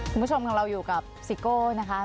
คุณผู้ชมของเราอยู่กับซิโก้นะคะ